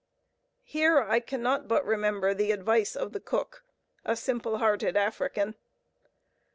Here I cannot but remember the advice of the cook, a simple hearted African.